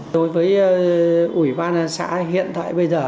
đối với ủy ban xã hiện tại bây giờ